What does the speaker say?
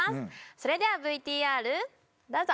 それではＶＴＲどうぞ！